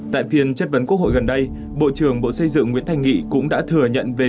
tại phiên chất vấn quốc hội gần đây bộ trưởng bộ xây dựng nguyễn thanh nghị cũng đã thừa nhận về